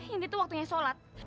ini tuh waktunya sholat